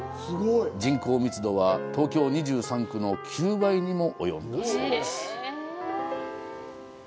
人口密度は、東京２３区の９倍にも及んだそうです。